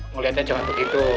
mau liatnya jangan begitu